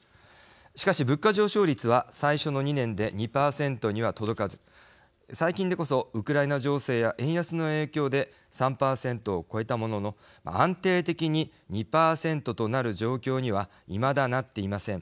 しかし物価上昇率は最初の２年で２％には届かず最近でこそウクライナ情勢や円安の影響で３％を超えたものの安定的に２％となる状況にはいまだなっていません。